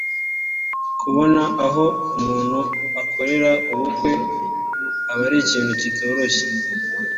kubona aho umuntu akorera ubukwe aba ari ikintu kitoroshye